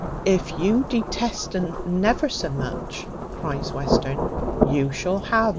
"If you detest un never so much," cries Western, "you shall ha'un."